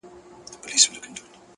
لکه منصور زه دي په خپل نامه بللی یمه٫